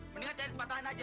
mendingan cari tempat lain aja